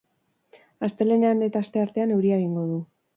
Astelehenean eta asteartean, euria egingo du.